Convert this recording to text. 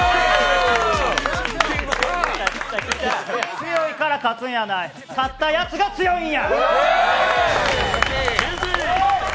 強いから勝つんやない、勝ったやつが強いんや！